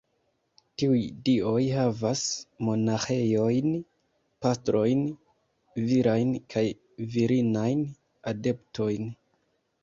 Tiuj dioj havas monaĥejojn, pastrojn, virajn kaj virinajn adeptojn.